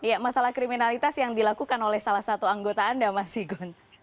ya masalah kriminalitas yang dilakukan oleh salah satu anggota anda mas igun